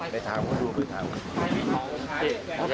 ไปถามกับดู